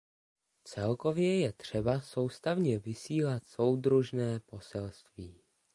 Celkově je třeba soustavně vysílat soudržné poselství.